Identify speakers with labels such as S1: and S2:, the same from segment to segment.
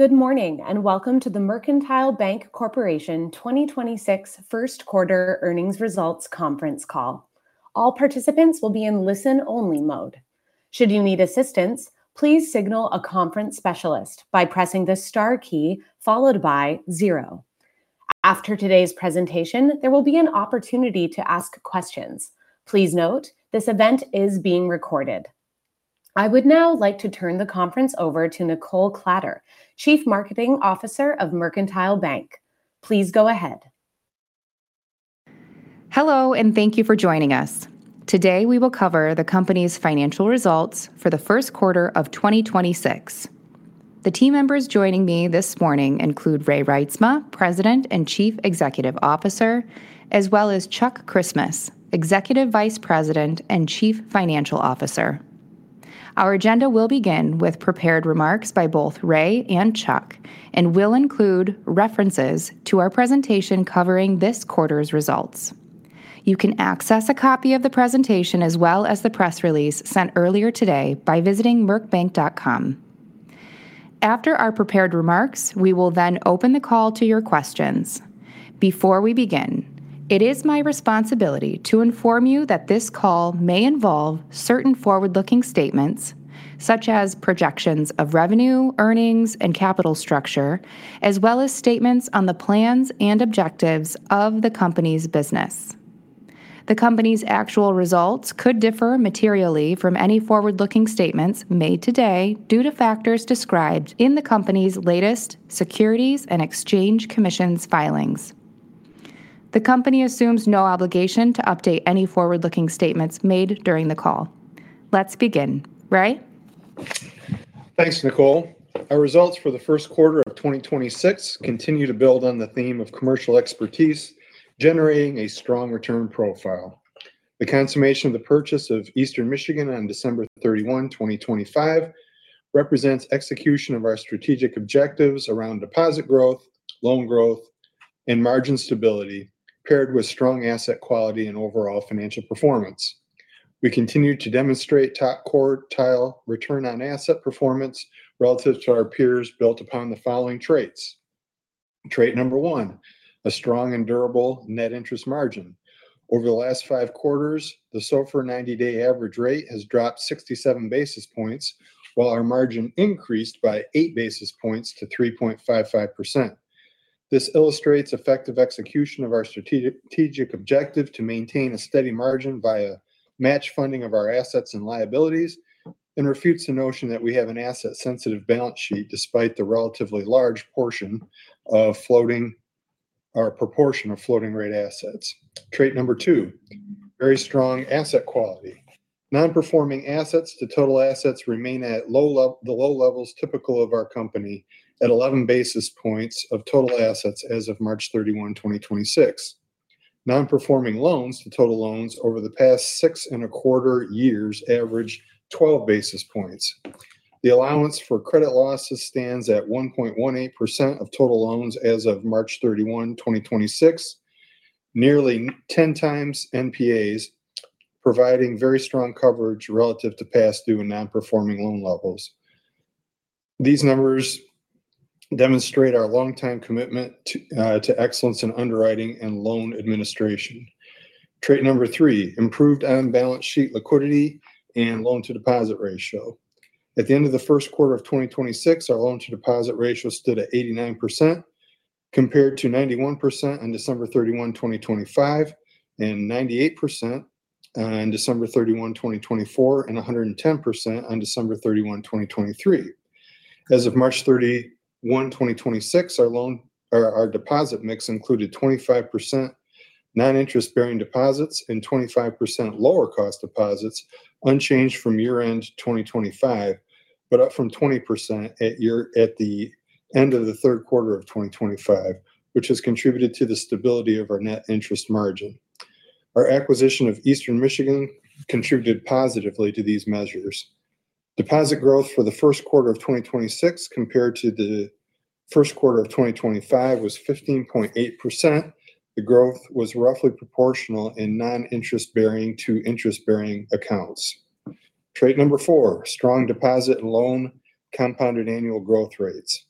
S1: Good morning and welcome to the Mercantile Bank Corporation 2026 First Quarter Earnings Results Conference Call. All participants will be in listen-only mode. Should you need assistance, please signal a conference specialist by pressing the star key followed by zero. After today's presentation, there will be an opportunity to ask questions. Please note, this event is being recorded. I would now like to turn the conference over to Nichole Kladder, Chief Marketing Officer of Mercantile Bank. Please go ahead.
S2: Hello, and thank you for joining us. Today, we will cover the company's financial results for the first quarter of 2026. The team members joining me this morning include Ray Reitsma, President and Chief Executive Officer, as well as Chuck Christmas, Executive Vice President and Chief Financial Officer. Our agenda will begin with prepared remarks by both Ray and Chuck and will include references to our presentation covering this quarter's results. You can access a copy of the presentation as well as the press release sent earlier today by visiting mercbank.com. After our prepared remarks, we will then open the call to your questions. Before we begin, it is my responsibility to inform you that this call may involve certain forward-looking statements, such as projections of revenue, earnings, and capital structure, as well as statements on the plans and objectives of the company's business. The company's actual results could differ materially from any forward-looking statements made today due to factors described in the company's latest Securities and Exchange Commission filings. The company assumes no obligation to update any forward-looking statements made during the call. Let's begin. Ray?
S3: Thanks, Nichole. Our results for the first quarter of 2026 continue to build on the theme of commercial expertise, generating a strong return profile. The consummation of the purchase of Eastern Michigan on December 31, 2025, represents execution of our strategic objectives around deposit growth, loan growth, and margin stability, paired with strong asset quality and overall financial performance. We continue to demonstrate top-quartile return on asset performance relative to our peers, built upon the following traits. Trait number one, a strong and durable net interest margin. Over the last five quarters, the SOFR 90-day average rate has dropped 67 basis points while our margin increased by 8 basis points to 3.55%. This illustrates effective execution of our strategic objective to maintain a steady margin via match funding of our assets and liabilities and refutes the notion that we have an asset-sensitive balance sheet despite the relatively large proportion of floating rate assets. Trait number two, very strong asset quality. Non-performing assets to total assets remain at the low levels typical of our company at 11 basis points of total assets as of March 31, 2026. Non-performing loans to total loans over the past 6.25 years averaged 12 basis points. The allowance for credit losses stands at 1.18% of total loans as of March 31, 2026, nearly 10x NPAs, providing very strong coverage relative to past due and non-performing loan levels. These numbers demonstrate our longtime commitment to excellence in underwriting and loan administration. Trait number three, improved on-balance sheet liquidity and loan-to-deposit ratio. At the end of the first quarter of 2026, our loan-to-deposit ratio stood at 89%, compared to 91% on December 31, 2025, and 98% on December 31, 2024, and 110% on December 31, 2023. As of March 31, 2026, our deposit mix included 25% non-interest bearing deposits and 25% lower cost deposits, unchanged from year-end 2025, but up from 20% at the end of the third quarter of 2025, which has contributed to the stability of our net interest margin. Our acquisition of Eastern Michigan contributed positively to these measures. Deposit growth for the first quarter of 2026 compared to the first quarter of 2025 was 15.8%. The growth was roughly proportional in non-interest-bearing to interest-bearing accounts. Trait number four, strong deposit and loan compounded annual growth rates.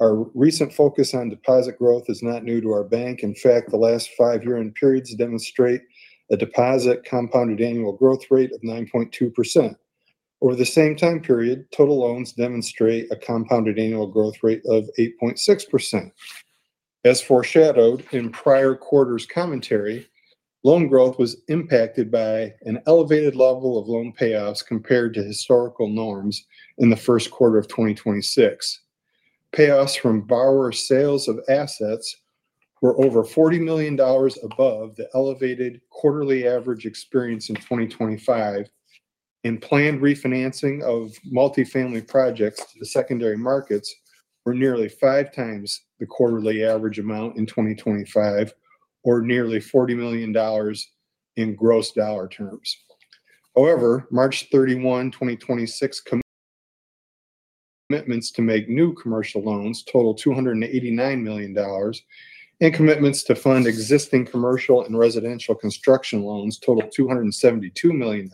S3: Our recent focus on deposit growth is not new to our bank. In fact, the last five year-end periods demonstrate a deposit compounded annual growth rate of 9.2%. Over the same time period, total loans demonstrate a compounded annual growth rate of 8.6%. As foreshadowed in prior quarters' commentary, loan growth was impacted by an elevated level of loan payoffs compared to historical norms in the first quarter of 2026. Payoffs from borrower sales of assets were over $40 million above the elevated quarterly average experience in 2025, and planned refinancing of multifamily projects to the secondary markets were nearly five times the quarterly average amount in 2025 or nearly $40 million in gross dollar terms. However, March 31, 2026, commitments to make new commercial loans totaled $289 million, and commitments to fund existing commercial and residential construction loans totaled $272 million,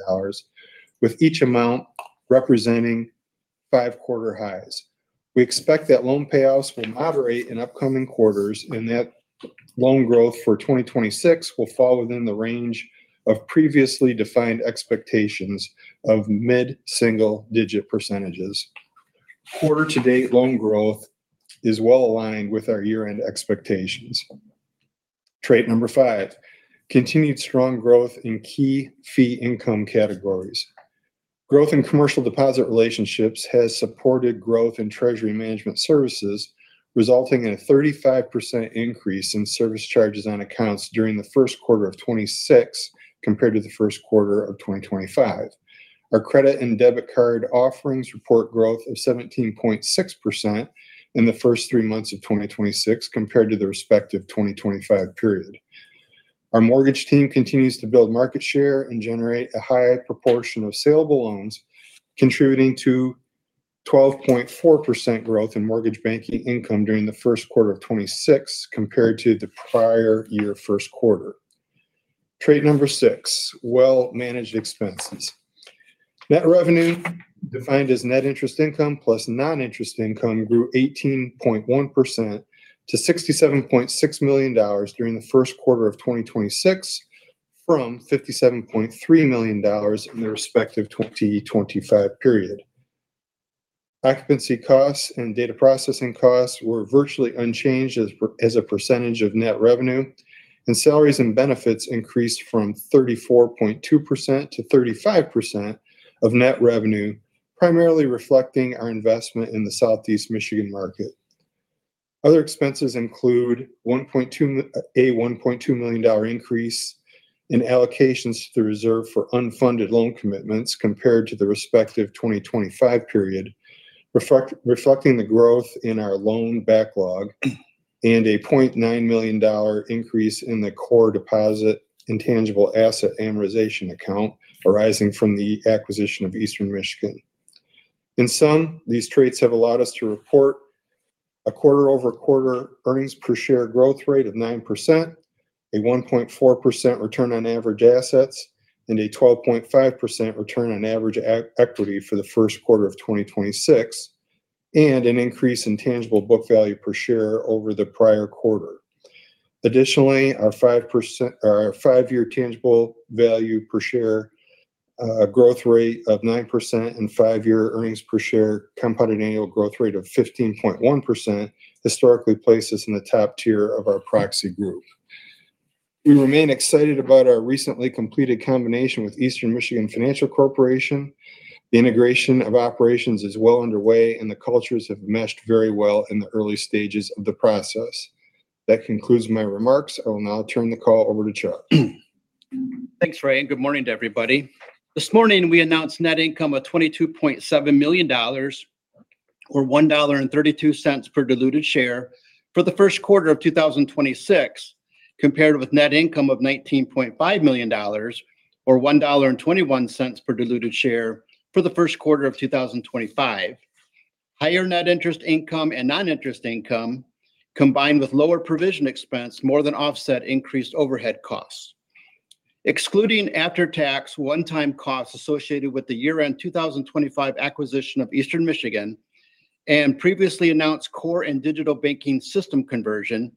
S3: with each amount representing five-quarter highs. We expect that loan payoffs will moderate in upcoming quarters and that loan growth for 2026 will fall within the range of previously defined expectations of mid-single-digit percentages. Quarter-to-date loan growth is well aligned with our year-end expectations. Trait number five, continued strong growth in key fee income categories. Growth in commercial deposit relationships has supported growth in treasury management services, resulting in a 35% increase in service charges on accounts during the first quarter of 2026 compared to the first quarter of 2025. Our credit and debit card offerings report growth of 17.6% in the first three months of 2026 compared to the respective 2025 period. Our mortgage team continues to build market share and generate a higher proportion of saleable loans, contributing to 12.4% growth in mortgage banking income during the first quarter of 2026 compared to the prior year's first quarter. Trait number six: well-managed expenses. Net revenue, defined as net interest income plus non-interest income, grew 18.1% to $67.6 million during the first quarter of 2026 from $57.3 million in the respective 2025 period. Occupancy costs and data processing costs were virtually unchanged as a percentage of net revenue, and salaries and benefits increased from 34.2% to 35% of net revenue, primarily reflecting our investment in the Southeast Michigan market. Other expenses include a $1.2 million increase in allocations to the reserve for unfunded loan commitments compared to the respective 2025 period, reflecting the growth in our loan backlog and a $0.9 million increase in the core deposit intangible asset amortisation account arising from the acquisition of Eastern Michigan. In sum, these traits have allowed us to report a quarter-over-quarter earnings per share growth rate of 9%, a 1.4% return on average assets, and a 12.5% retu, rn on average equity for the first quarter of 2026, and an increase in tangible book value per share over the prior quarter. Additionally, our five-year tangible value per share growth rate of 9% and five-year earnings per share compounded annual growth rate of 15.1% historically place us in the top tier of our proxy group. We remain excited about our recently completed combination with Eastern Michigan Financial Corporation. The integration of operations is well underway, and the cultures have meshed very well in the early stages of the process. That concludes my remarks. I will now turn the call over to Chuck.
S4: Thanks, Ray, and good morning to everybody. This morning, we announced net income of $22.7 million, or $1.32 per diluted share, for the first quarter of 2026, compared with net income of $19.5 million or $1.21 per diluted share, for the first quarter of 2025. Higher net interest income and non-interest income, combined with lower provision expense, more than offset increased overhead costs. Excluding after-tax one-time costs associated with the year-end 2025 acquisition of Eastern Michigan, and previously announced core and digital banking system conversion,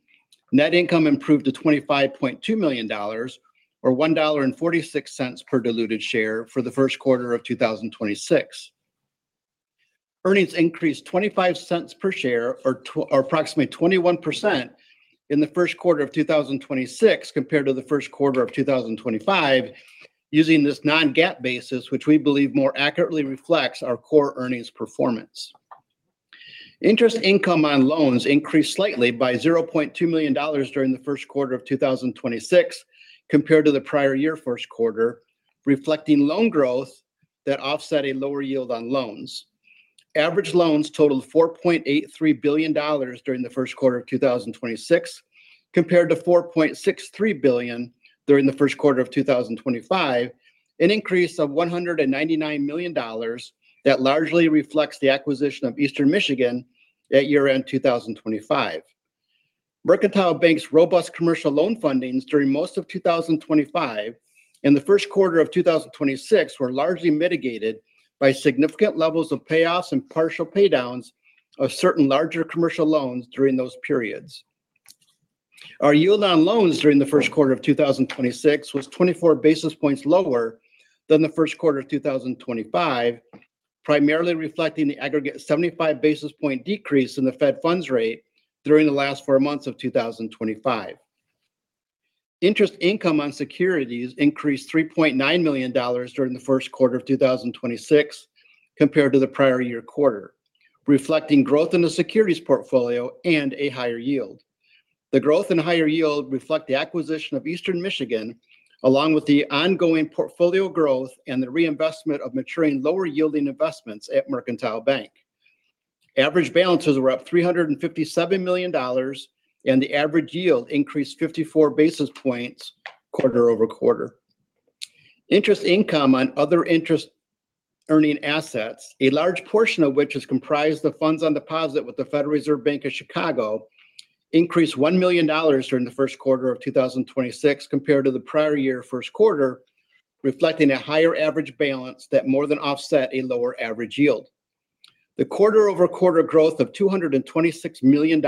S4: net income improved to $25.2 million, or $1.46 per diluted share for the first quarter of 2026. Earnings increased $0.25 per share, or approximately 21% in the first quarter of 2026 compared to the first quarter of 2025, using this non-GAAP basis, which we believe more accurately reflects our core earnings performance. Interest income on loans increased slightly by $0.2 million during the first quarter of 2026 compared to the prior year first quarter, reflecting loan growth that offset a lower yield on loans. Average loans totaled $4.83 billion during the first quarter of 2026, compared to $4.63 billion during the first quarter of 2025, an increase of $199 million that largely reflects the acquisition of Eastern Michigan at year-end 2025. Mercantile Bank's robust commercial loan fundings during most of 2025 and the first quarter of 2026 were largely mitigated by significant levels of payoffs and partial paydowns of certain larger commercial loans during those periods. Our yield on loans during the first quarter of 2026 was 24 basis points lower than the first quarter of 2025, primarily reflecting the aggregate 75 basis points decrease in the federal funds rate during the last four months of 2025. Interest income on securities increased $3.9 million during the first quarter of 2026 compared to the prior-year quarter, reflecting growth in the securities portfolio and a higher yield. The growth and higher yield reflect the acquisition of Eastern Michigan, along with the ongoing portfolio growth and the reinvestment of maturing lower-yielding investments at Mercantile Bank. Average balances were up $357 million, and the average yield increased 54 basis points quarter-over-quarter. Interest income on other interest-earning assets, a large portion of which is comprised of funds on deposit with the Federal Reserve Bank of Chicago, increased $1 million during the first quarter of 2026 compared to the prior-year first quarter. Reflecting a higher average balance that more than offset a lower average yield. The quarter-over-quarter growth of $226 million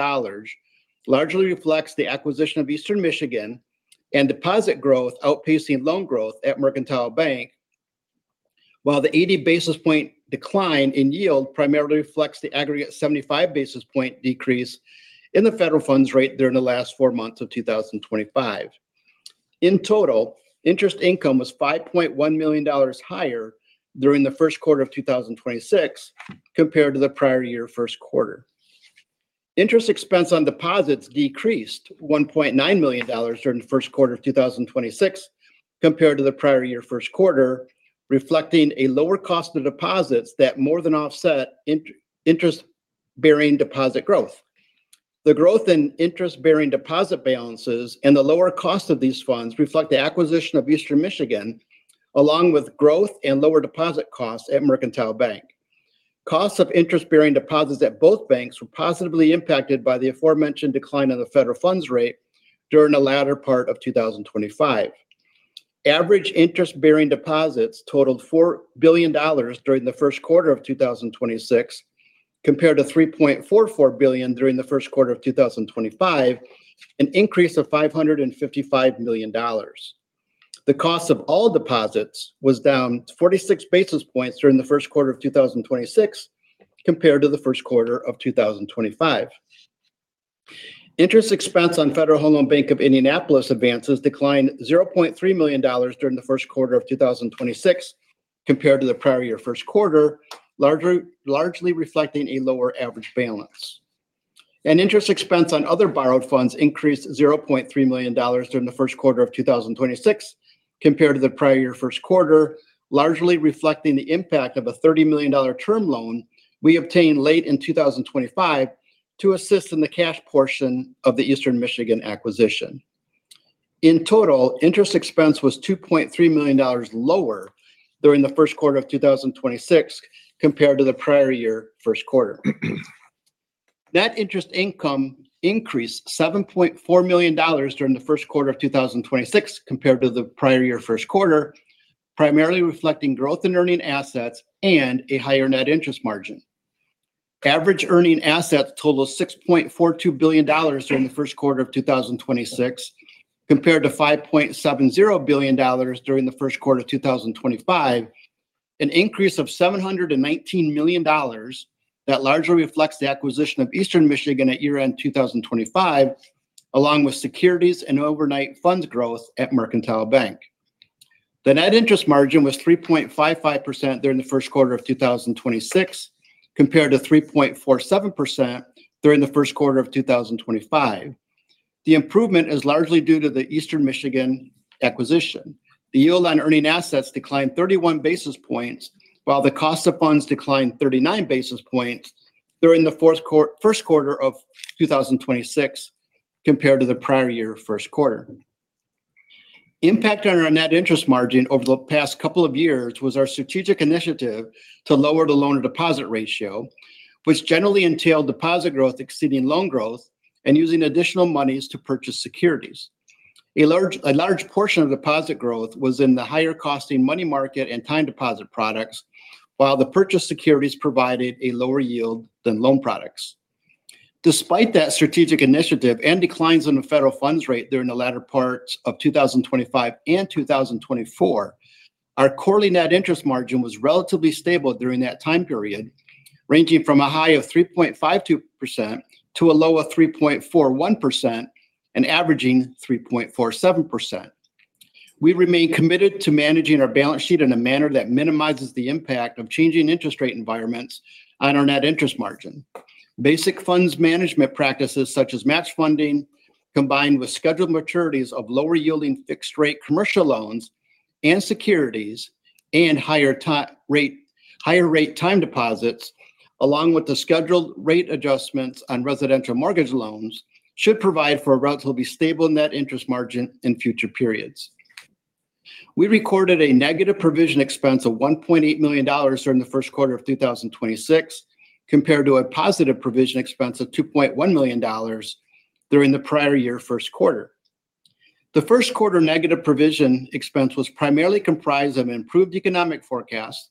S4: largely reflects the acquisition of Eastern Michigan and deposit growth outpacing loan growth at Mercantile Bank, while the 80 basis point decline in yield primarily reflects the aggregate 75 basis point decrease in the federal funds rate during the last four months of 2025. In total, interest income was $5.1 million higher during the first quarter of 2026 compared to the prior year first quarter. Interest expense on deposits decreased $1.9 million during the first quarter of 2026 compared to the prior year first quarter, reflecting a lower cost of deposits that more than offset interest-bearing deposit growth. The growth in interest-bearing deposit balances and the lower cost of these funds reflect the acquisition of Eastern Michigan, along with growth and lower deposit costs at Mercantile Bank. Costs of interest-bearing deposits at both banks were positively impacted by the aforementioned decline in the federal funds rate during the latter part of 2025. Average interest-bearing deposits totaled $4 billion during the first quarter of 2026, compared to $3.44 billion during the first quarter of 2025, an increase of $555 million. The cost of all deposits was down 46 basis points during the first quarter of 2026, compared to the first quarter of 2025. Interest expense on Federal Home Loan Bank of Indianapolis advances declined $0.3 million during the first quarter of 2026 compared to the prior year first quarter, largely reflecting a lower average balance. Interest expense on other borrowed funds increased $0.3 million during the first quarter of 2026 compared to the prior year first quarter, largely reflecting the impact of a $30 million term loan we obtained late in 2025 to assist in the cash portion of the Eastern Michigan acquisition. In total, interest expense was $2.3 million lower during the first quarter of 2026 compared to the prior year first quarter. Net interest income increased $7.4 million during the first quarter of 2026 compared to the prior year first quarter, primarily reflecting growth in earning assets and a higher net interest margin. Average earning assets totaled $6.42 billion during the first quarter of 2026, compared to $5.70 billion during the first quarter of 2025, an increase of $719 million that largely reflects the acquisition of Eastern Michigan at year-end 2025, along with securities and overnight funds growth at Mercantile Bank. The net interest margin was 3.55% during the first quarter of 2026, compared to 3.47% during the first quarter of 2025. The improvement is largely due to the Eastern Michigan acquisition. The yield on earning assets declined 31 basis points, while the cost of funds declined 39 basis points during the first quarter of 2026 compared to the prior year first quarter. The impact on our net interest margin over the past couple of years was our strategic initiative to lower the loan-to-deposit ratio, which generally entailed deposit growth exceeding loan growth and using additional monies to purchase securities. A large portion of deposit growth was in the higher-cost money market and time deposit products, while the purchased securities provided a lower yield than loan products. Despite that strategic initiative and declines in the federal funds rate during the latter parts of 2025 and 2024, our quarterly net interest margin was relatively stable during that time period, ranging from a high of 3.52% to a low of 3.41%, and averaging 3.47%. We remain committed to managing our balance sheet in a manner that minimises the impact of changing interest rate environments on our net interest margin. Basic funds management practices such as match funding, combined with scheduled maturities of lower-yielding fixed-rate commercial loans and securities, and higher-rate time deposits, along with the scheduled rate adjustments on residential mortgage loans, should provide for a relatively stable net interest margin in future periods. We recorded a negative provision expense of $1.8 million during the first quarter of 2026, compared to a positive provision expense of $2.1 million during the prior year first quarter. The first quarter negative provision expense was primarily comprised of improved economic forecasts,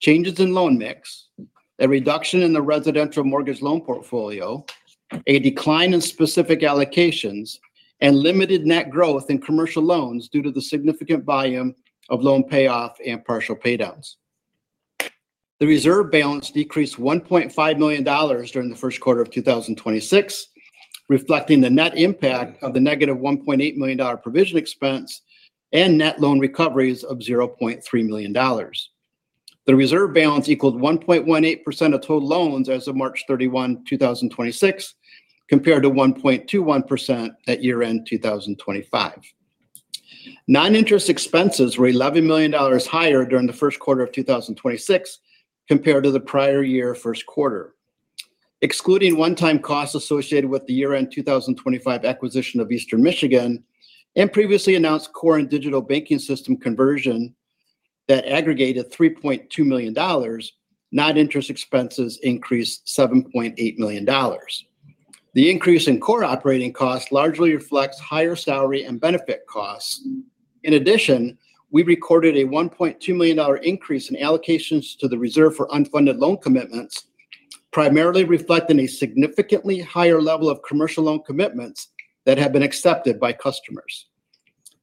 S4: changes in loan mix, a reduction in the residential mortgage loan portfolio, a decline in specific allocations, and limited net growth in commercial loans due to the significant volume of loan payoff and partial paydowns. The reserve balance decreased $1.5 million during the first quarter of 2026, reflecting the net impact of the -$1.8 million provision expense and net loan recoveries of $0.3 million. The reserve balance equaled 1.18% of total loans as of March 31, 2026, compared to 1.21% at year-end 2025. Non-interest expenses were $11 million higher during the first quarter of 2026 compared to the prior year first quarter. Excluding one-time costs associated with the year-end 2025 acquisition of Eastern Michigan and previously announced core and digital banking system conversion that aggregated $3.2 million, noninterest expenses increased $7.8 million. The increase in core operating costs largely reflects higher salary and benefit costs. In addition, we recorded a $1.2 million increase in allocations to the reserve for unfunded loan commitments, primarily reflecting a significantly higher level of commercial loan commitments that have been accepted by customers.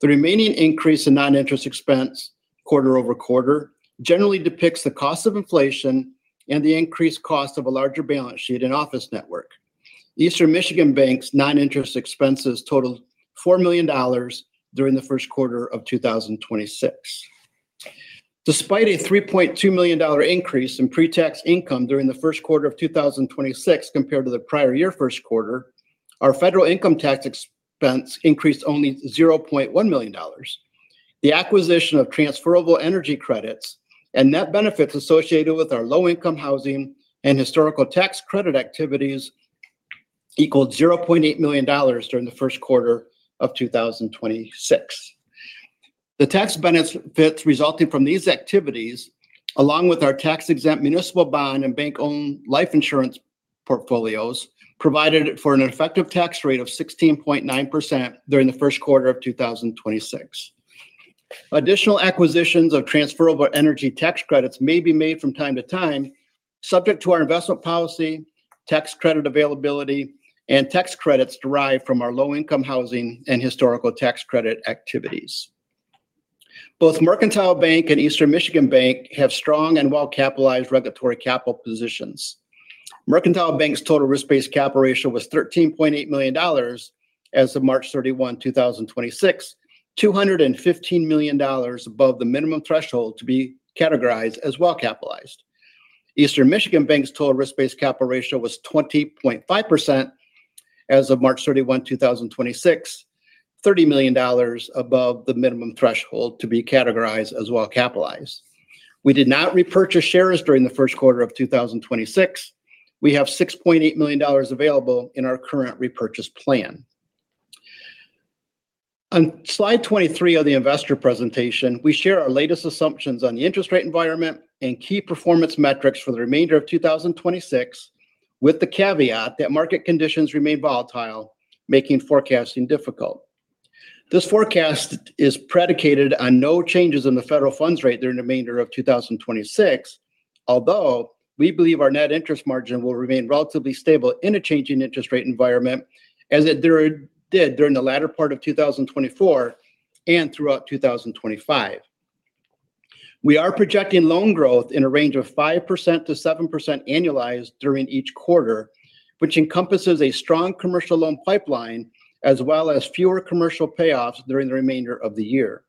S4: The remaining increase in noninterest expense quarter-over-quarter generally depicts the cost of inflation and the increased cost of a larger balance sheet and office network. Eastern Michigan Bank's noninterest expenses totaled $4 million during the first quarter of 2026. Despite a $3.2 million increase in pre-tax income during the first quarter of 2026 compared to the prior year first quarter, our federal income tax expense increased only $0.1 million. The acquisition of transferable energy credits and net benefits associated with our low-income housing and historical tax credit activities equaled $0.8 million during the first quarter of 2026. The tax benefits resulting from these activities, along with our tax-exempt municipal bond and bank-owned life insurance portfolios, provided for an effective tax rate of 16.9% during the first quarter of 2026. Additional acquisitions of transferable energy tax credits may be made from time to time, subject to our investment policy, tax credit availability, and tax credits derived from our low-income housing and historical tax credit activities. Both Mercantile Bank and Eastern Michigan Bank have strong and well-capitalised regulatory capital positions. Mercantile Bank's total risk-based capital ratio was 13.8% as of March 31st, 2026, $215 million above the minimum threshold to be categorised as well-capitalised. Eastern Michigan Bank's total risk-based capital ratio was 20.5% as of March 31st, 2026, $30 million above the minimum threshold to be categorised as well-capitalised. We did not repurchase shares during the first quarter of 2026. We have $6.8 million available in our current repurchase plan. On slide 23 of the Investor presentation, we share our latest assumptions on the interest rate environment and key performance metrics for the remainder of 2026, with the caveat that market conditions remain volatile, making forecasting difficult. This forecast is predicated on no changes in the federal funds rate during the remainder of 2026. Although we believe our net interest margin will remain relatively stable in a changing interest rate environment, as it did during the latter part of 2024 and throughout 2025. We are projecting loan growth in a range of 5%-7% annualized during each quarter, which encompasses a strong commercial loan pipeline, as well as fewer commercial payoffs during the remainder of the year.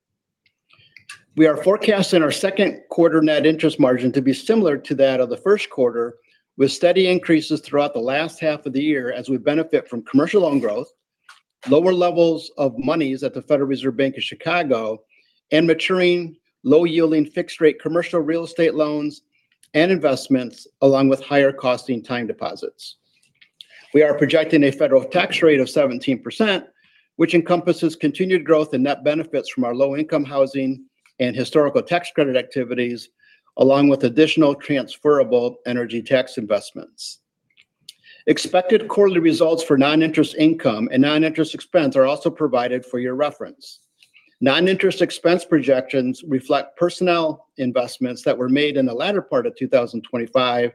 S4: We are forecasting our second-quarter net interest margin to be similar to that of the first quarter, with steady increases throughout the last half of the year as we benefit from commercial loan growth, lower levels of monies at the Federal Reserve Bank of Chicago, and maturing low-yielding fixed-rate commercial real estate loans and investments, along with higher-cost time deposits. We are projecting a federal tax rate of 17%, which encompasses continued growth in net benefits from our low-income housing and historical tax credit activities, along with additional transferable energy tax investments. Expected quarterly results for non-interest income and non-interest expense are also provided for your reference. Non-interest expense projections reflect personnel investments that were made in the latter part of 2025,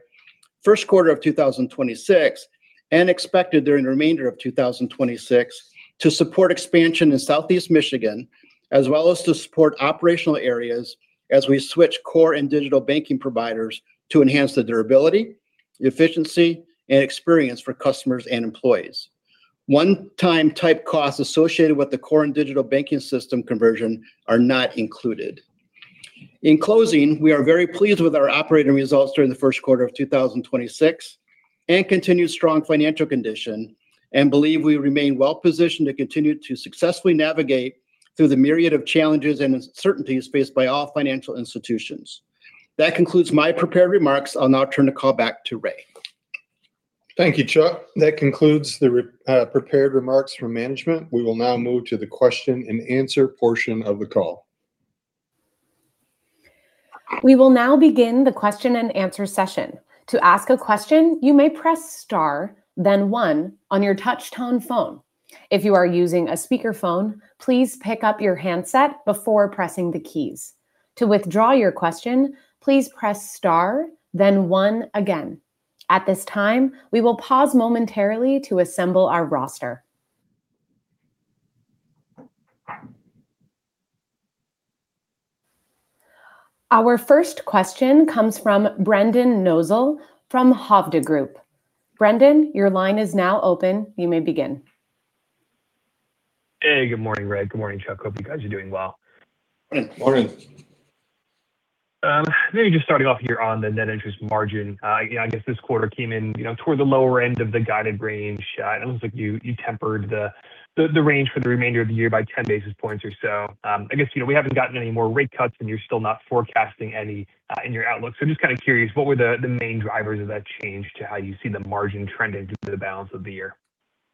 S4: first quarter of 2026, and expected during the remainder of 2026 to support expansion in Southeast Michigan, as well as to support operational areas as we switch core and digital banking providers to enhance the durability, efficiency, and experience for customers and employees. One-time type costs associated with the core and digital banking system conversion are not included. In closing, we are very pleased with our operating results during the first quarter of 2026 and continued strong financial condition, and believe we remain well positioned to continue to successfully navigate through the myriad of challenges and uncertainties faced by all financial institutions. That concludes my prepared remarks. I'll now turn the call back to Ray.
S3: Thank you, Chuck. That concludes the prepared remarks from management. We will now move to the question and answer portion of the call.
S1: We will now begin the question and answer session. To ask a question, you may press star then one on your touch-tone phone. If you are using a speakerphone, please pick up your handset before pressing the keys. To withdraw your question, please press star then one again. At this time, we will pause momentarily to assemble our roster. Our first question comes from Brendan Nosal from Hovde Group. Brendan, your line is now open. You may begin.
S5: Hey, good morning, Ray. Good morning, Chuck. Hope you guys are doing well.
S3: Morning.
S4: Morning.
S5: Maybe just starting off here on the net interest margin. I guess this quarter came in toward the lower end of the guided range. It looks like you tempered the range for the remainder of the year by 10 basis points or so. I guess we haven't gotten any more rate cuts, and you're still not forecasting any in your outlook. Just kind of curious, what were the main drivers of that change to how you see the margin trending through the balance of the year?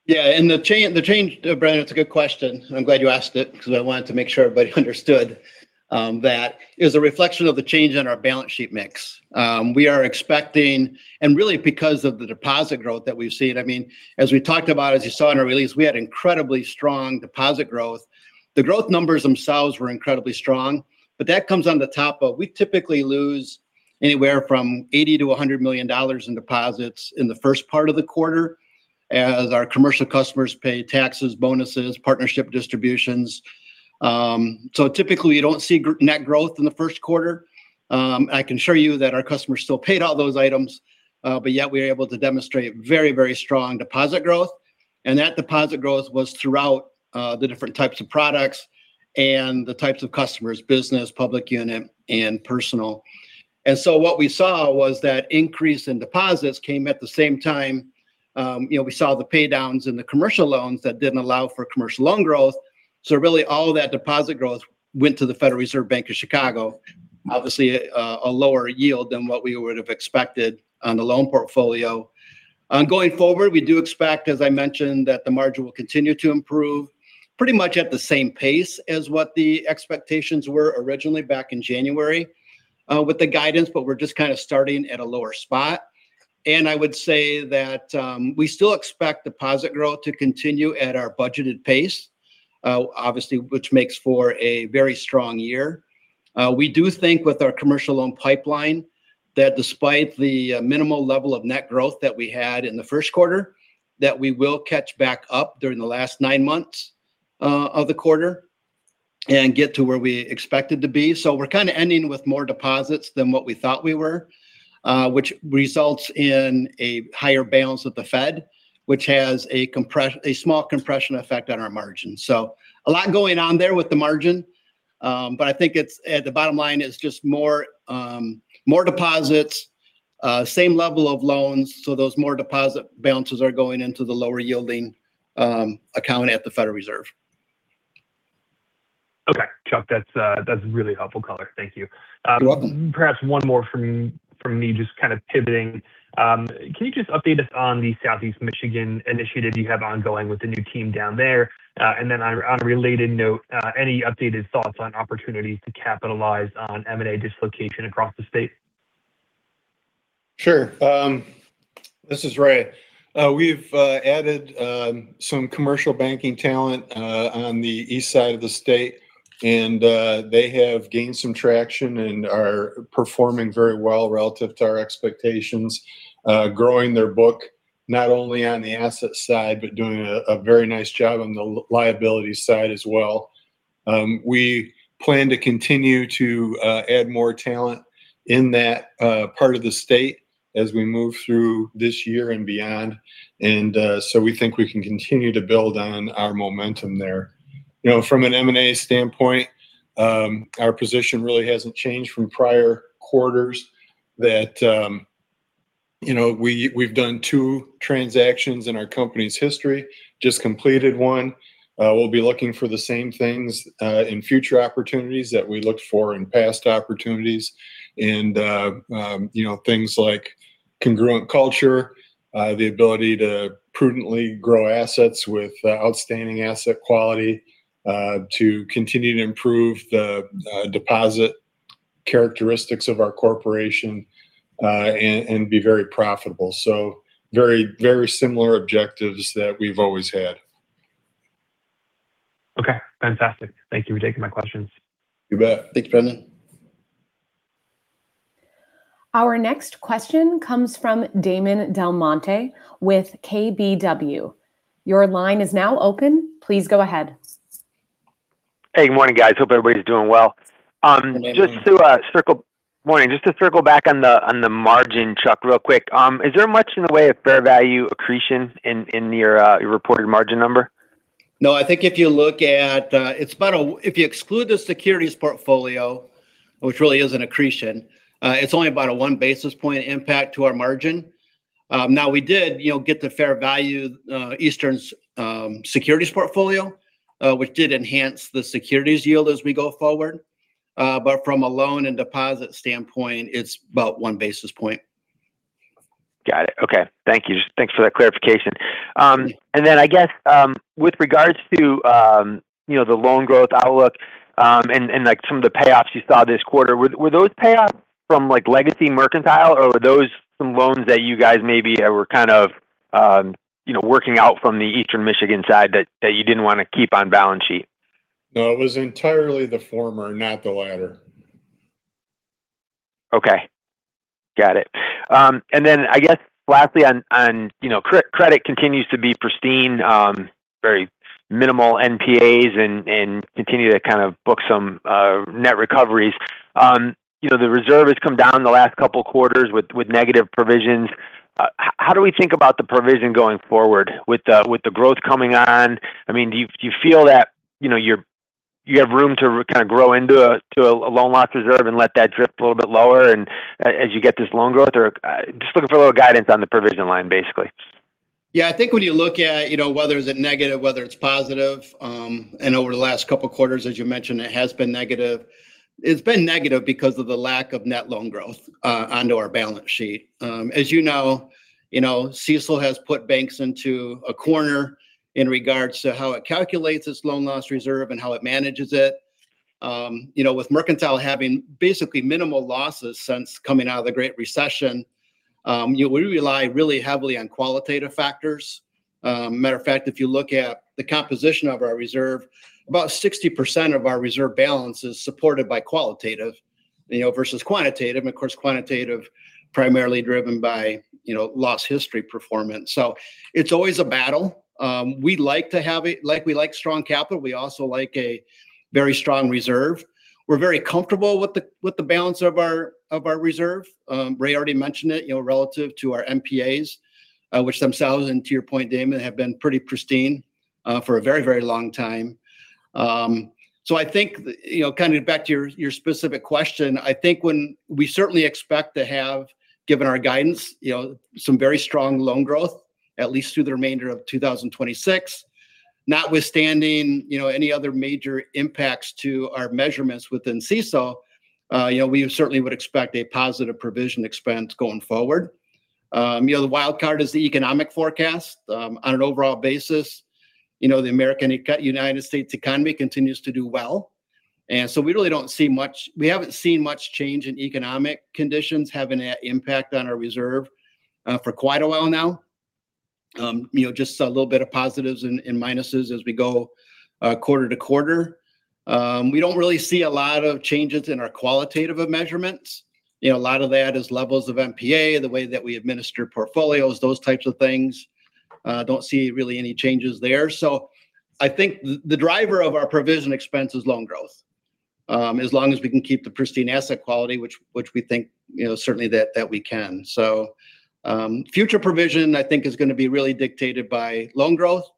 S4: Yeah. The change, Brendan, it's a good question. I'm glad you asked it because I wanted to make sure everybody understood that it was a reflection of the change in our balance sheet mix. We are expecting, and really, because of the deposit growth that we've seen. As we talked about, as you saw in our release, we had incredibly strong deposit growth. The growth numbers themselves were incredibly strong, but that comes on top of, we typically lose anywhere from $80 million-$100 million in deposits in the first part of the quarter as our commercial customers pay taxes, bonuses, partnership distributions. Typically, you don't see net growth in the first quarter. I can assure you that our customers still paid all those items, but yet we are able to demonstrate very, very strong deposit growth. That deposit growth was throughout the different types of products and the types of customers, business, public unit, and personal. What we saw was that increase in deposits came at the same time we saw the pay-downs in the commercial loans that didn't allow for commercial loan growth. Really, all of that deposit growth went to the Federal Reserve Bank of Chicago, obviously a lower yield than what we would have expected on the loan portfolio. Going forward, we do expect, as I mentioned, that the margin will continue to improve pretty much at the same pace as what the expectations were originally back in January with the guidance, but we're just kind of starting at a lower spot. I would say that we still expect deposit growth to continue at our budgeted pace, obviously, which makes for a very strong year. We do think with our commercial loan pipeline that, despite the minimal level of net growth that we had in the first quarter, that we will catch back up during the last nine months of the year and get to where we expected to be. We're kind of ending with more deposits than what we thought we were, which results in a higher balance with the Fed, which has a small compression effect on our margin. A lot going on there with the margin. I think at the bottom line is just more deposits, same level of loans. Those more deposit balances are going into the lower-yielding account at the Federal Reserve.
S5: Okay, Chuck, that's a really helpful color. Thank you.
S4: You're welcome.
S5: Perhaps one more from me, just kind of pivoting. Can you just update us on the Southeast Michigan initiative you have ongoing with the new team down there? On a related note, any updated thoughts on opportunities to capitalise on M&A dislocation across the state?
S3: Sure. This is Ray. We've added some commercial banking talent on the east side of the state, and they have gained some traction and are performing very well relative to our expectations, growing their book not only on the asset side, but doing a very nice job on the liability side as well. We plan to continue to add more talent in that part of the state as we move through this year and beyond. We think we can continue to build on our momentum there. From an M&A standpoint, our position really hasn't changed from prior quarters. That we've done two transactions in our company's history, just completed one. We'll be looking for the same things in future opportunities that we looked for in past opportunities, and things like a congruent culture, the ability to prudently grow assets with outstanding asset quality, to continue to improve the deposit characteristics of our corporation, and be very profitable. Very similar objectives that we've always had.
S5: Okay, fantastic. Thank you for taking my questions.
S3: You bet. Thank you for having me.
S1: Our next question comes from Damon DelMonte with KBW. Your line is now open. Please go ahead.
S6: Hey, good morning, guys. Hope everybody's doing well.
S3: Good morning.
S6: Morning. Just to circle back on the margin, Chuck, real quick. Is there much in the way of fair value accretion in your reported margin number?
S4: No, I think if you exclude the securities portfolio, which really is an accretion, it's only about a one basis point impact to our margin. Now we did get the fair value Eastern's securities portfolio, which did enhance the securities yield as we go forward. From a loan and deposit standpoint, it's about one basis point.
S6: Got it. Okay. Thank you. Thanks for that clarification. I guess, with regards to the loan growth outlook, and some of the payoffs you saw this quarter, were those payoffs from legacy Mercantile, or were those from loans that you guys maybe were kind of working out from the Eastern Michigan side that you didn't want to keep on balance sheet?
S3: No, it was entirely the former, not the latter.
S6: Okay. Got it. Then I guess lastly on credit continues to be pristine, very minimal NPAs, and continue to kind of book some net recoveries. The reserve has come down in the last couple of quarters with negative provisions. How do we think about the provision going forward with the growth coming on? Do you feel that you have room to kind of grow into a loan loss reserve and let that drift a little bit lower, and as you get this loan growth, or just looking for a little guidance on the provision line, basically?
S4: Yeah, I think when you look at whether it's a negative, whether it's positive, and over the last couple of quarters, as you mentioned, it has been negative. It's been negative because of the lack of net loan growth onto our balance sheet. As you know, CECL has put banks into a corner in regards to how it calculates its loan loss reserve and how it manages it. With Mercantile having basically minimal losses since coming out of the Great Recession, we rely really heavily on qualitative factors. Matter of fact, if you look at the composition of our reserve, about 60% of our reserve balance is supported by qualitative versus quantitative. Of course, quantitative primarily driven by loss history performance. It's always a battle. We like strong capital. We also like a very strong reserve. We're very comfortable with the balance of our reserve. Ray already mentioned it, relative to our NPAs, which themselves, and to your point, Damon, have been pretty pristine for a very long time. I think, coming back to your specific question, I think when we certainly expect to have given our guidance, some very strong loan growth at least through the remainder of 2026. Notwithstanding any other major impacts to our measurements within CECL, we certainly would expect a positive provision expense going forward. The wild card is the economic forecast. On an overall basis, the U.S. economy continues to do well. We really haven't seen much change in economic conditions have an impact on our reserve for quite a while now. Just a little bit of positives and minuses as we go quarter to quarter. We don't really see a lot of changes in our qualitative measurements. A lot of that is levels of NPA, the way that we administer portfolios, those types of things, don't see really any changes there. I think the driver of our provision expense is loan growth. As long as we can keep the pristine asset quality, which we think certainly that we can. Future provision, I think, is going to be really dictated by loan growth,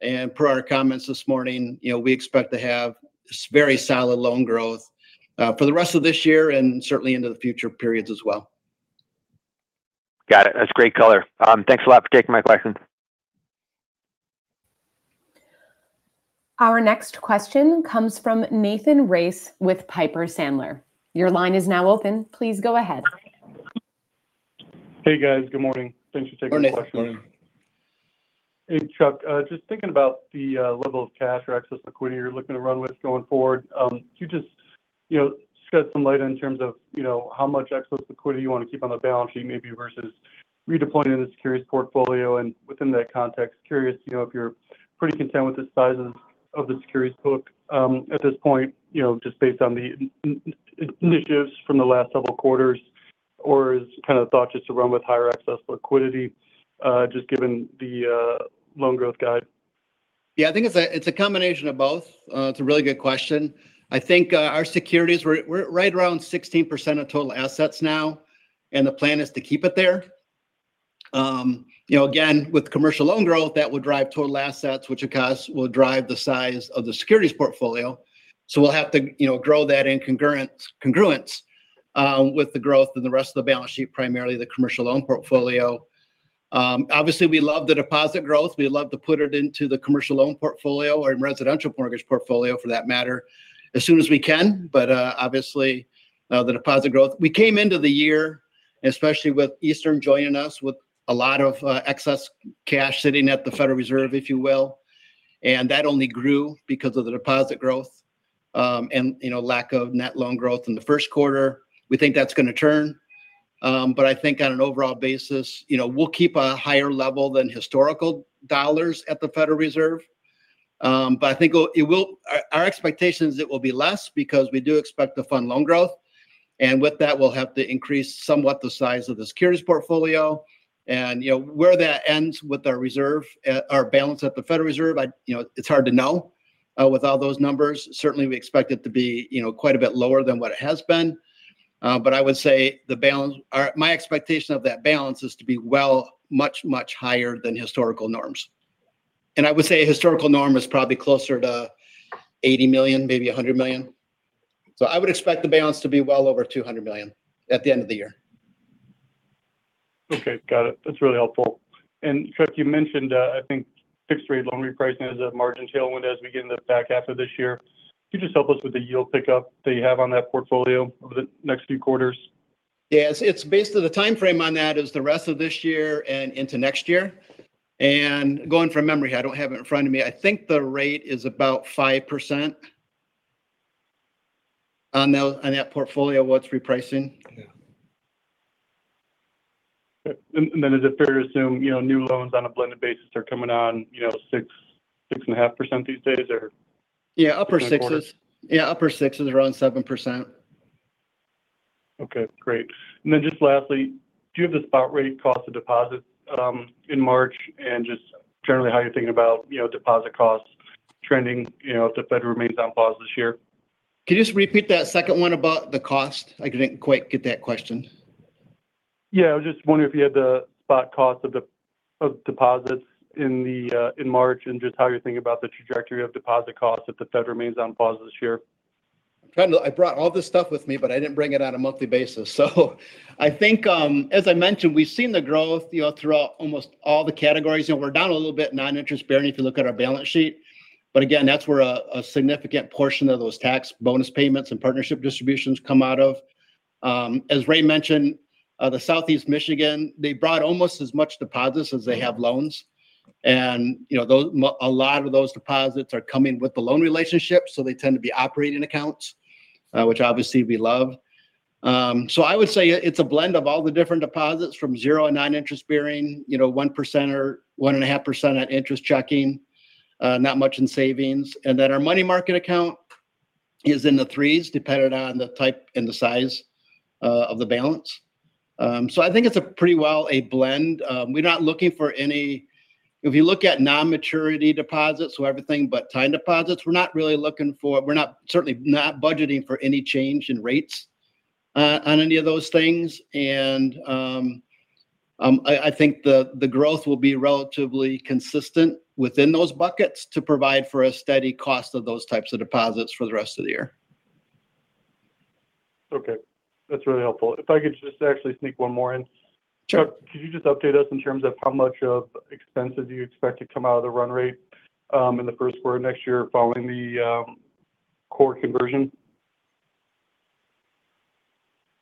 S4: and per our comments this morning, we expect to have very solid loan growth for the rest of this year and certainly into the future periods as well.
S6: Got it. That's great color. Thanks a lot for taking my questions.
S1: Our next question comes from Nathan Race with Piper Sandler. Your line is now open. Please go ahead.
S7: Hey, guys. Good morning. Thanks for taking the questions.
S3: Good morning.
S7: Hey, Chuck. Just thinking about the level of cash or excess liquidity you're looking to run with going forward. Can you just shed some light in terms of how much excess liquidity you want to keep on the balance sheet, maybe versus redeploying in the securities portfolio? Within that context, curious if you're pretty content with the sizes of the securities book, at this point, just based on the initiatives from the last several quarters, or is thought just to run with higher excess liquidity, just given the loan growth guide?
S4: Yeah, I think it's a combination of both. It's a really good question. I think our securities we're right around 16% of total assets now, and the plan is to keep it there. Again, with commercial loan growth, that would drive total assets, which, of course, will drive the size of the securities portfolio. We'll have to grow that in congruence with the growth in the rest of the balance sheet, primarily the commercial loan portfolio. Obviously, we love the deposit growth. We love to put it into the commercial loan portfolio and residential mortgage portfolio, for that matter, as soon as we can. Obviously, the deposit growth. We came into the year, especially with Eastern joining us with a lot of excess cash sitting at the Federal Reserve, if you will, and that only grew because of the deposit growth, and lack of net loan growth in the first quarter. We think that's going to turn. I think on an overall basis, we'll keep a higher level than historical dollars at the Federal Reserve. I think our expectation is it will be less because we do expect to fund loan growth. With that, we'll have to increase somewhat the size of the securities portfolio. Where that ends with our balance at the Federal Reserve, it's hard to know with all those numbers. Certainly, we expect it to be quite a bit lower than what it has been. I would say my expectation of that balance is to be well much, much higher than historical norms. I would say a historical norm is probably closer to $80 million, maybe $100 million. I would expect the balance to be well over $200 million at the end of the year.
S7: Okay. Got it. That's really helpful. Chuck, you mentioned, I think fixed-rate loan repricing is a margin tailwind as we get into the back half of this year. Can you just help us with the yield pickup that you have on that portfolio over the next few quarters?
S4: Yeah. Basically, the timeframe on that is the rest of this year and into next year. Going from memory, I don't have it in front of me. I think the rate is about 5% on that portfolio, that's repricing.
S7: Yeah. Okay. Is it fair to assume new loans on a blended basis are coming on 6%-6.5% these days or?
S4: Yeah, upper 6s.
S7: 6.25?
S4: Yeah, upper 6s. Around 7%.
S7: Okay, great. Just lastly, do you have the spot rate cost of deposit in March and just generally how you're thinking about deposit costs trending if the Fed remains on pause this year?
S4: Can you just repeat that second one about the cost? I didn't quite get that question.
S7: Yeah, I was just wondering if you had the spot cost of deposits in March and just how you're thinking about the trajectory of deposit costs if the Fed remains on pause this year?
S4: I brought all this stuff with me, but I didn't bring it on a monthly basis. I think, as I mentioned, we've seen the growth throughout almost all the categories. We're down a little bit non-interest-bearing if you look at our balance sheet. Again, that's where a significant portion of those tax bonus payments and partnership distributions come out of. As Ray mentioned, the Eastern Michigan, they brought almost as much deposits as they have loans. A lot of those deposits are coming with the loan relationships, so they tend to be operating accounts, which obviously we love. I would say it's a blend of all the different deposits from zero and non-interest-bearing, 1% or 1.5% at interest checking, not much in savings. Then our money market account is in the threes, dependent on the type and the size of the balance. I think it's a pretty well a blend. If you look at non-maturity deposits, so everything but time deposits, we're certainly not budgeting for any change in rates on any of those things. I think the growth will be relatively consistent within those buckets to provide for a steady cost of those types of deposits for the rest of the year.
S7: Okay. That's really helpful. If I could just actually sneak one more in.
S4: Sure.
S7: Could you just update us in terms of how much of expenses you expect to come out of the run rate in the first quarter next year, following the core conversion?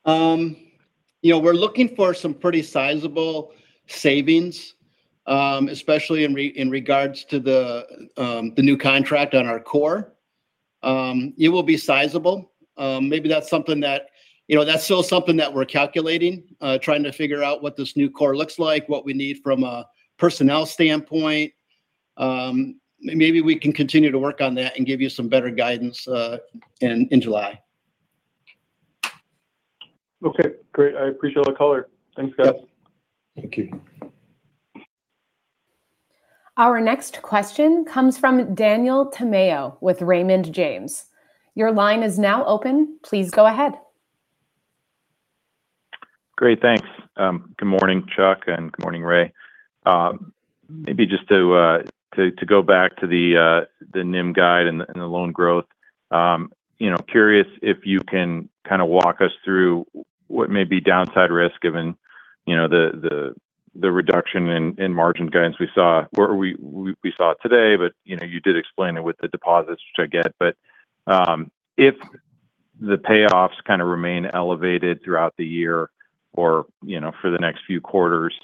S4: We're looking for some pretty sizable savings, especially in regards to the new contract on our core. It will be sizable. That's still something that we're calculating, trying to figure out what this new core looks like, what we need from a personnel standpoint. Maybe we can continue to work on that and give you some better guidance in July.
S7: Okay, great. I appreciate the color. Thanks, guys.
S3: Yeah. Thank you.
S1: Our next question comes from Daniel Tamayo with Raymond James. Your line is now open. Please go ahead.
S8: Great. Thanks. Good morning, Chuck, and good morning, Ray. Maybe just to go back to the NIM guide and the loan growth. Curious if you can kind of walk us through what may be downside risk given the reduction in margin guidance we saw today. But you did explain it with the deposits, which I get. But if the payoffs kind of remain elevated throughout the year or for the next few quarters,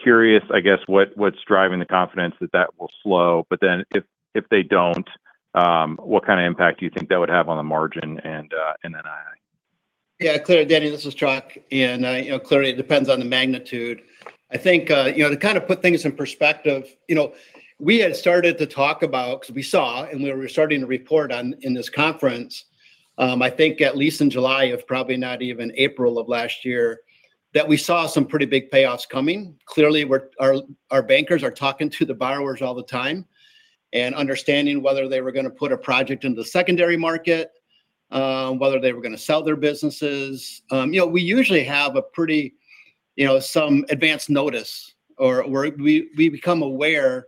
S8: curious, I guess, what's driving the confidence that that will slow? But then if they don't, what kind of impact do you think that would have on the margin and NII?
S4: Yeah, clear. Daniel, this is Chuck, and clearly it depends on the magnitude. I think to kind of put things in perspective, we had started to talk about, because we saw and we were starting to report on in this conference, I think at least in July, if probably not even April of last year, that we saw some pretty big payoffs coming. Clearly, our bankers are talking to the borrowers all the time and understanding whether they were going to put a project into the secondary market, whether they were going to sell their businesses. We usually have some advance notice, or we become aware of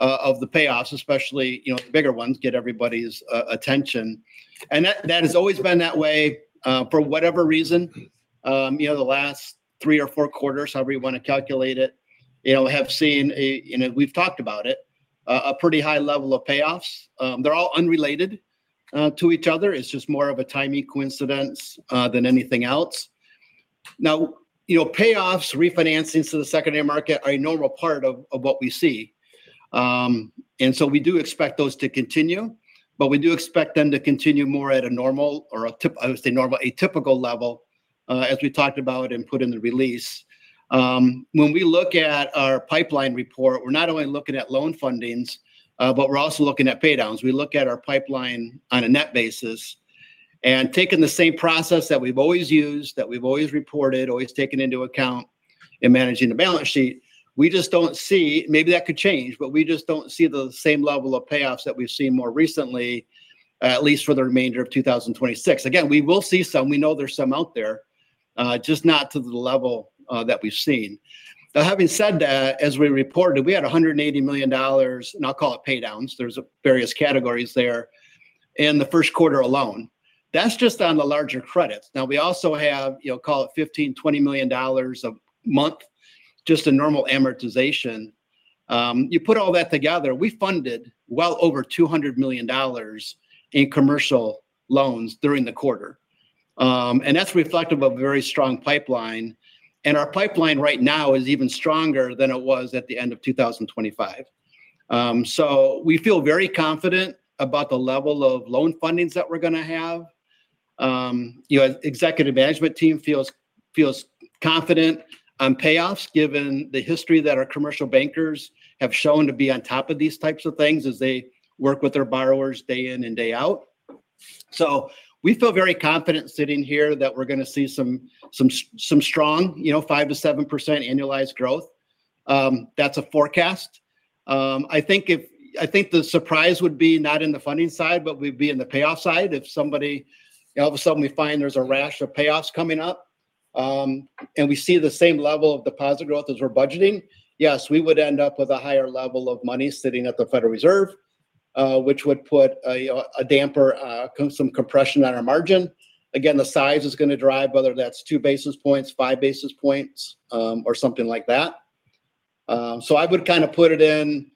S4: the payoffs, especially the bigger ones get everybody's attention. That has always been that way, for whatever reason. The last three or four quarters, however you want to calculate it, have seen a, and we've talked about it, a pretty high level of payoffs. They're all unrelated to each other. It's just more of a timing coincidence than anything else. Now, payoffs, refinancings to the secondary market are a normal part of what we see. We do expect those to continue, but we do expect them to continue more at a normal or, I would say, a typical level, as we talked about and put in the release. When we look at our pipeline report, we're not only looking at loan fundings, but we're also looking at pay downs. We look at our pipeline on a net basis and taking the same process that we've always used, that we've always reported, always taken into account in managing the balance sheet. Maybe that could change, but we just don't see the same level of payoffs that we've seen more recently, at least for the remainder of 2026. Again, we will see some. We know there's some out there, just not to the level that we've seen. Now, having said that, as we reported, we had $180 million, and I'll call it pay downs, there's various categories there in the first quarter alone. That's just on the larger credits. Now we also have, call it $15-$20 million a month, just a normal amortization. You put all that together, we funded well over $200 million in commercial loans during the quarter. That's reflective of a very strong pipeline. Our pipeline right now is even stronger than it was at the end of 2025. We feel very confident about the level of loan fundings that we're going to have. Executive management team feels confident on payoffs given the history that our commercial bankers have shown to be on top of these types of things as they work with their borrowers day in and day out. We feel very confident sitting here that we're going to see some strong 5%-7% annualized growth. That's a forecast. I think the surprise would be not in the funding side, but would be in the payoff side. If all of a sudden we find there's a rash of payoffs coming up, and we see the same level of deposit growth as we're budgeting, yes, we would end up with a higher level of money sitting at the Federal Reserve, which would put a damper, some compression on our margin. Again, the size is going to drive whether that's two basis points, five basis points, or something like that. I would kind of put it in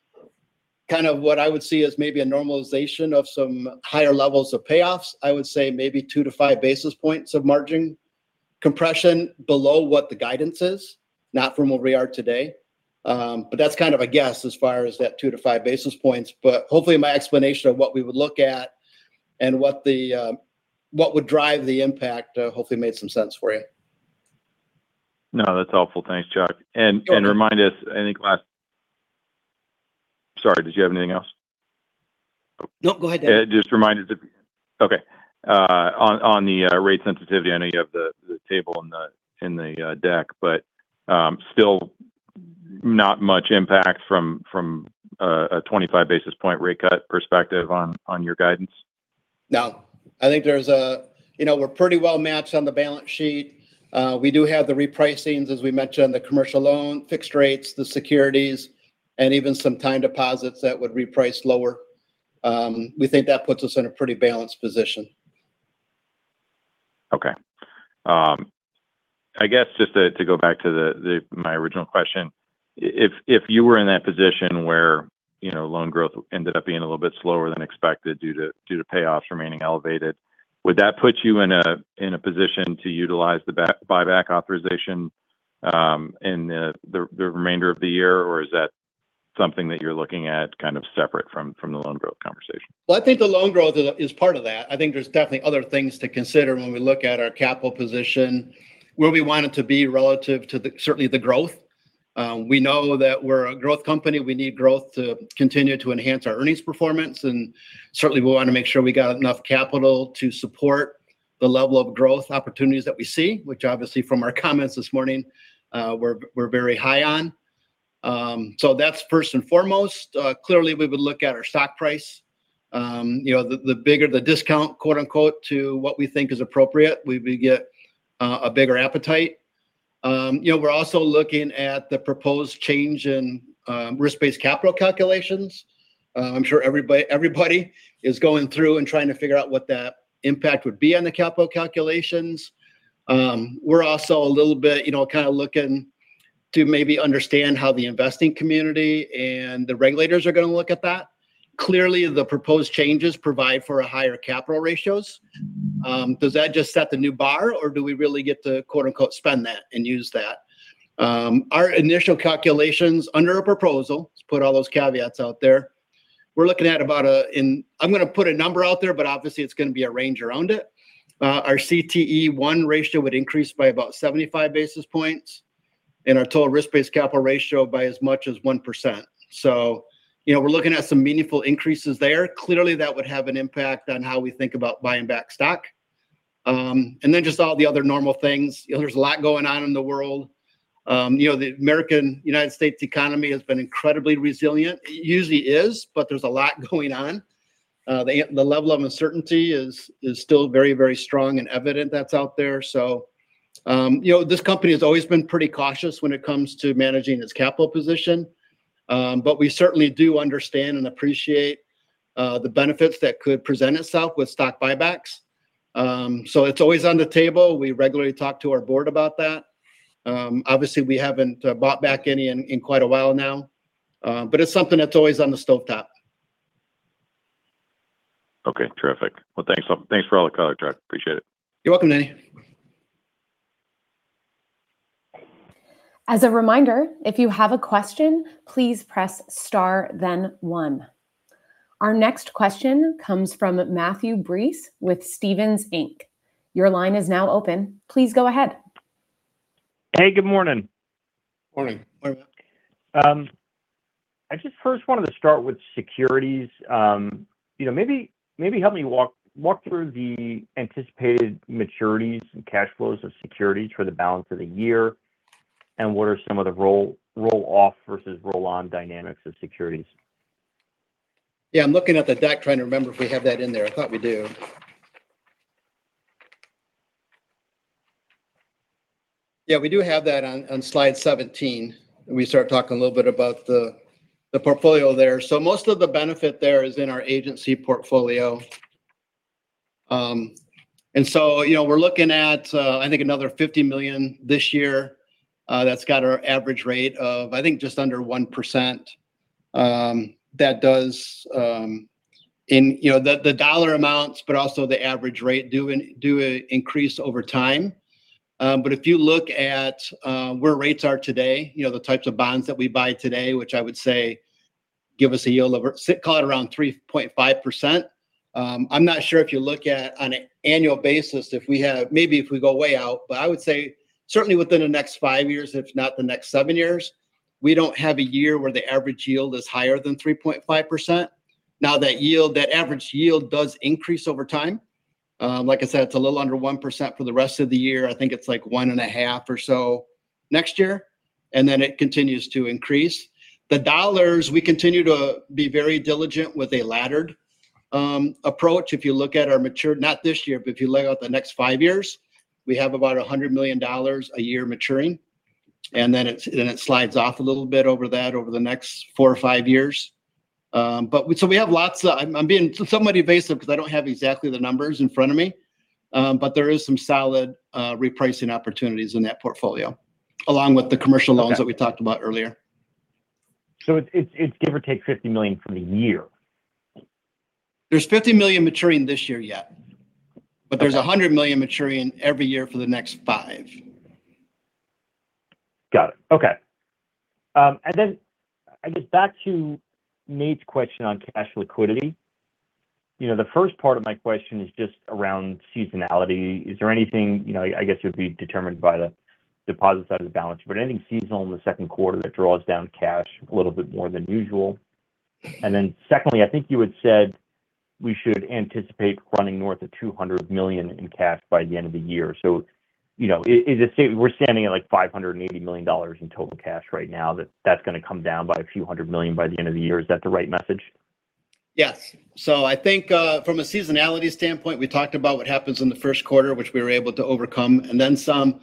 S4: kind of what I would see as maybe a normalization of some higher levels of payoffs. I would say maybe 2-5 basis points of margin compression below what the guidance is, not from where we are today. That's kind of a guess as far as that 2-5 basis points. Hopefully, my explanation of what we would look at and what would drive the impact hopefully made some sense for you.
S8: No, that's helpful. Thanks, Chuck.
S4: Okay.
S8: Sorry, did you have anything else?
S4: No, go ahead, Danny.
S8: Okay. On the rate sensitivity, I know you have the table in the deck, but still not much impact from a 25 basis point rate cut perspective on your guidance?
S4: No. I think we're pretty well-matched on the balance sheet. We do have the repricings, as we mentioned, the commercial loan, fixed rates, the securities, and even some time deposits that would reprice lower. We think that puts us in a pretty balanced position.
S8: Okay. I guess just to go back to my original question. If you were in that position where loan growth ended up being a little bit slower than expected due to payoffs remaining elevated, would that put you in a position to utilize the buyback authorization in the remainder of the year, or is that something that you're looking at kind of separate from the loan growth conversation?
S4: Well, I think the loan growth is part of that. I think there's definitely other things to consider when we look at our capital position, where we want it to be relative to certainly the growth. We know that we're a growth company. We need growth to continue to enhance our earnings performance. And certainly we want to make sure we got enough capital to support the level of growth opportunities that we see, which obviously, from our comments this morning, we're very high on. So that's first and foremost. Clearly, we would look at our stock price. The bigger the discount, quote unquote, to what we think is appropriate, we get a bigger appetite. We're also looking at the proposed change in risk-based capital calculations. I'm sure everybody is going through and trying to figure out what that impact would be on the capital calculations. We're also a little bit kind of looking to maybe understand how the investing community and the regulators are going to look at that. Clearly, the proposed changes provide for higher capital ratios. Does that just set the new bar, or do we really get to, quote unquote, "spend that" and use that? Our initial calculations under a proposal. Let's put all those caveats out there. We're looking at about a, and I'm going to put a number out there, but obviously it's going to be a range around it. Our CET1 ratio would increase by about 75 basis points, and our total risk-based capital ratio by as much as 1%. We're looking at some meaningful increases there. Clearly, that would have an impact on how we think about buying back stock. Then just all the other normal things. There's a lot going on in the world. The American United States economy has been incredibly resilient. It usually is, but there's a lot going on. The level of uncertainty is still very, very strong and evident, that's out there. This company has always been pretty cautious when it comes to managing its capital position. We certainly do understand and appreciate the benefits that could present itself with stock buybacks. It's always on the table. We regularly talk to our board about that. Obviously, we haven't bought back any in quite a while now. It's something that's always on the stovetop.
S8: Okay, terrific. Well, thanks for all the color, Chuck. Appreciate it.
S4: You're welcome, Danny.
S1: As a reminder, if you have a question, please press star then one. Our next question comes from Matthew Breese with Stephens Inc. Your line is now open. Please go ahead.
S9: Hey, good morning.
S3: Morning. Morning, Matt.
S9: I just first wanted to start with securities. Maybe help me walk through the anticipated maturities and cash flows of securities for the balance of the year, and what are some of the roll-off versus roll-on dynamics of securities?
S4: Yeah, I'm looking at the deck, trying to remember if we have that in there. I thought we do. Yeah, we do have that on slide 17. We start talking a little bit about the portfolio there. Most of the benefit there is in our agency portfolio. We're looking at, I think, another $50 million this year, that's got our average rate of, I think, just under 1%. The dollar amounts, but also the average rate, do increase over time. If you look at where rates are today, the types of bonds that we buy today, which I would say give us a yield of call it around 3.5%. I'm not sure if you look at on an annual basis, maybe if we go way out, but I would say certainly within the next five years, if not the next seven years. We don't have a year where the average yield is higher than 3.5%. That average yield does increase over time. Like I said, it's a little under 1% for the rest of the year. I think it's like 1.5% or so next year, and then it continues to increase. The dollars, we continue to be very diligent with a laddered approach. If you look at our maturities, not this year, but if you lay out the next five years, we have about $100 million a year maturing, and then it slides off a little bit over that over the next four or five years. I'm being somewhat evasive because I don't have exactly the numbers in front of me. But there is some solid repricing opportunities in that portfolio, along with the commercial loans that we talked about earlier.
S9: It's give or take $50 million for the year.
S4: There's $50 million maturing this year yet.
S9: Okay.
S4: there's $100 million maturing every year for the next five.
S9: Got it. Okay. I guess back to Nate's question on cash liquidity. The first part of my question is just around seasonality. Is there anything, I guess it would be determined by the deposit side of the balance, but any seasonal in the second quarter that draws down cash a little bit more than usual? Secondly, I think you had said we should anticipate running north of $200 million in cash by the end of the year. Is it safe, we're standing at, like, $580 million in total cash right now, that's going to come down by a few hundred million by the end of the year. Is that the right message?
S4: Yes. I think from a seasonality standpoint, we talked about what happens in the first quarter, which we were able to overcome and then some.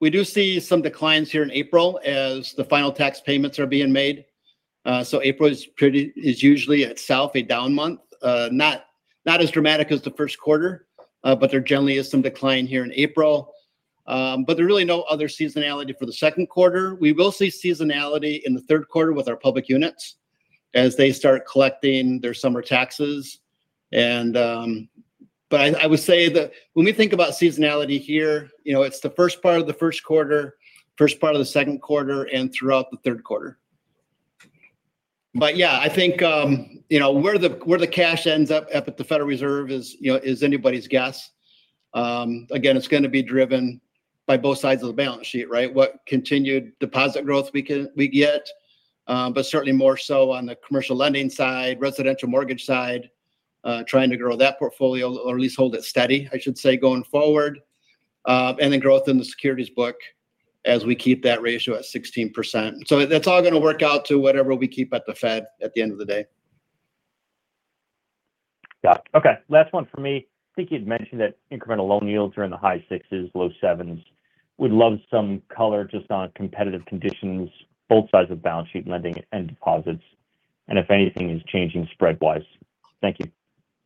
S4: We do see some declines here in April as the final tax payments are being made. April is usually itself a down month. Not as dramatic as the first quarter, but there generally is some decline here in April. There are really no other seasonality for the second quarter. We will see seasonality in the third quarter with our public units as they start collecting their summer taxes. I would say that when we think about seasonality here, it's the first part of the first quarter, first part of the second quarter, and throughout the third quarter. Yeah, I think where the cash ends up at the Federal Reserve is anybody's guess. Again, it's going to be driven by both sides of the balance sheet, right? What continued deposit growth we get, but certainly more so on the commercial lending side, residential mortgage side, trying to grow that portfolio or at least hold it steady, I should say, going forward. And then growth in the securities book as we keep that ratio at 16%. That's all going to work out to whatever we keep at the Fed at the end of the day.
S9: Got it. Okay. Last one from me. I think you'd mentioned that incremental loan yields are in the high sixes, low sevens. Would love some color just on competitive conditions, both sides of balance sheet lending and deposits, and if anything is changing spread-wise. Thank you.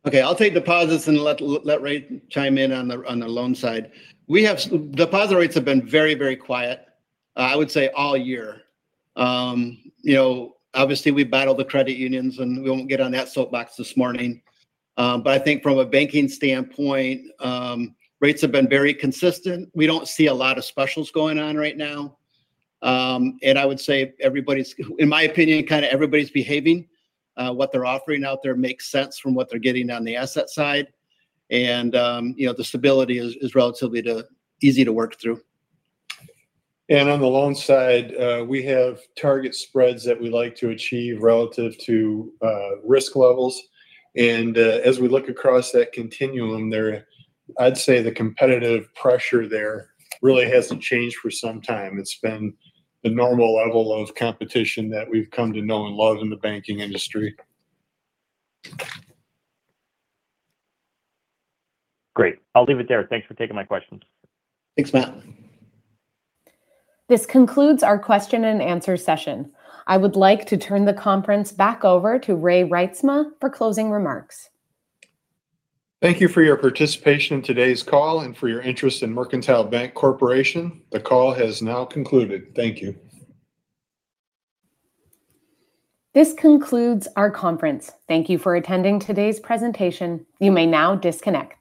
S4: Okay. I'll take deposits and let Ray chime in on the loans side. Deposit rates have been very quiet, I would say, all year. Obviously, we battle the credit unions, and we won't get on that soapbox this morning. I think from a banking standpoint, rates have been very consistent. We don't see a lot of specials going on right now. I would say, in my opinion, kind of everybody's behaving. What they're offering out there makes sense from what they're getting on the asset side. The stability is relatively easy to work through.
S3: On the loans side, we have target spreads that we like to achieve relative to risk levels. As we look across that continuum there, I'd say the competitive pressure there really hasn't changed for some time. It's been the normal level of competition that we've come to know and love in the banking industry.
S9: Great. I'll leave it there. Thanks for taking my questions.
S4: Thanks, Matt.
S1: This concludes our question-and-answer session. I would like to turn the conference back over to Ray Reitsma for closing remarks.
S3: Thank you for your participation in today's call and for your interest in Mercantile Bank Corporation. The call has now concluded. Thank you.
S1: This concludes our conference. Thank you for attending today's presentation. You may now disconnect.